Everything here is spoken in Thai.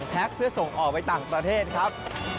เพื่อส่งออกไปต่างประเทศครับ